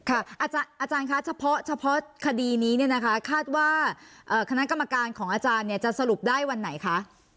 อาจารย์คะเฉพาะคดีนี้เนี่ยนะคะคาดว่าคณะกรรมการของอาจารย์เนี่ยจะสรุปได้วันไหนคะ